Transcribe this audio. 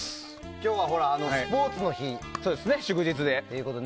今日はスポーツの日ということで。